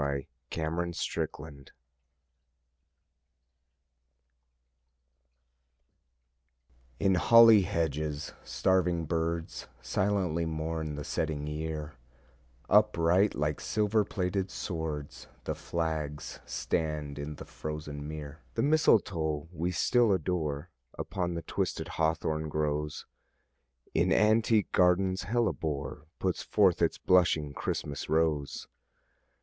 Old Carol CHRISTMAS EVE In holly hedges starving birds Silently mourn the setting year; Upright like silver plated swords The flags stand in the frozen mere. The mistletoe we still adore Upon the twisted hawthorn grows: In antique gardens hellebore Puts forth its blushing Christmas rose.